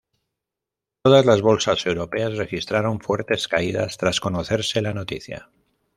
Todas las bolsas europeas registraron fuertes caídas tras conocerse la noticia.